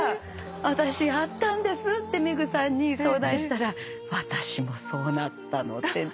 私やったんですってめぐさんに相談したら「私もそうなったの」って言って。